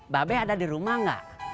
babe ada di rumah nggak